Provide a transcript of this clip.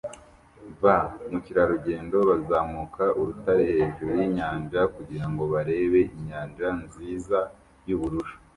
Ba mukerarugendo bazamuka urutare hejuru yinyanja kugirango barebe inyanja nziza yubururu